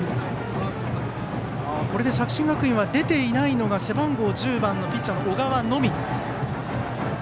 これで作新学院は出ていないのが背番号１０番のピッチャーの小川のみ。